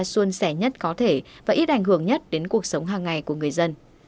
xuân xẻ nhất có thể và ít ảnh hưởng nhất đến cuộc sống hàng ngày của người dân